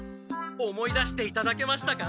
思い出していただけましたか？